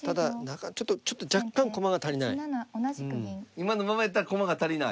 今のままやったら駒が足りない。